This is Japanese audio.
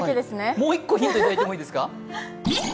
もう１個ヒントいただいてもいいですか？